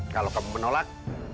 kalau kamu menolak